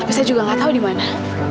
tapi saya juga gak tau dimana